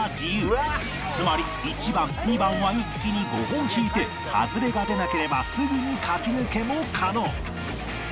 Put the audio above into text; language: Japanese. つまり１番２番は一気に５本引いてハズレが出なければすぐに勝ち抜けも可能